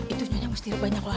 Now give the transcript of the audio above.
itu nonya mustir banyak lah